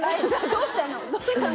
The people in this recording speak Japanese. どうしたの？